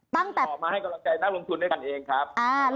ตั้งแต่เรามาให้กำลังใจนักลงทุนด้วยกันเองครับ